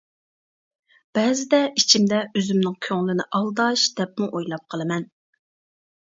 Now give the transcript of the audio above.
بەزىدە ئىچىمدە ئۆزۈمنىڭ كۆڭلىنى ئالداش دەپمۇ ئويلاپ قالىمەن.